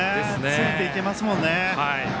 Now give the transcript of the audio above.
ついていけますもんね。